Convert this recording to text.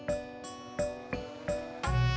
ada apa be